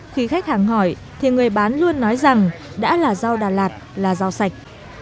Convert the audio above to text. khi khách hàng hỏi thì người bán luôn nói rằng đã là rau đà lạt là rau sạch